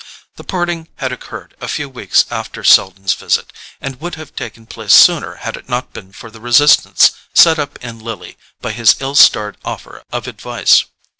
The parting had occurred a few weeks after Selden's visit, and would have taken place sooner had it not been for the resistance set up in Lily by his ill starred offer of advice.